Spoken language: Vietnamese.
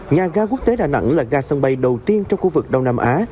nhà ga quốc tế đà nẵng là ga sân bay đầu tiên trong khu vực đông nam á